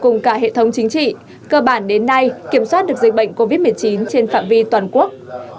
cùng cả hệ thống chính trị cơ bản đến nay kiểm soát được dịch bệnh covid một mươi chín trên phạm vi toàn quốc